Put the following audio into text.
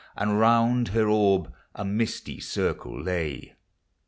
And round her orb a misty circle lay.